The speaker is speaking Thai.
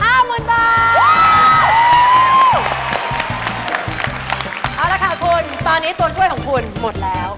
เอาละค่ะคุณตอนนี้ตัวช่วยของคุณหมดแล้ว